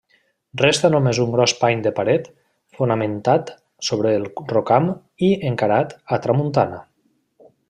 Resta només un gros pany de paret, fonamentat sobre el rocam i encarat a tramuntana.